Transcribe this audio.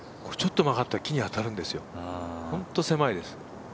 ちょっと曲がったら木に当たるんですよ、本当狭いです。